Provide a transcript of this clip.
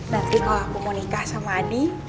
nanti kalau kau mau nikah dengan adi